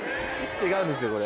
違うんですよこれ。